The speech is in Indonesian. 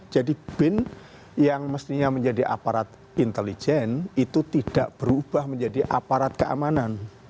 jadi bin yang mestinya menjadi aparat intelijen itu tidak berubah menjadi aparat keamanan